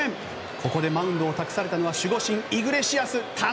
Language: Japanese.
ここでマウンドを託されたのは守護神イグレシアス。